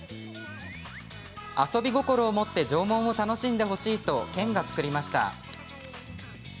遊び心を持って縄文を楽しんでほしいと県が作りました。